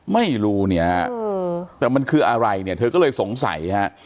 ไม่รู้เนี่ยแต่มันคืออะไรเนี่ยเธอก็เลยสงสัยฮะ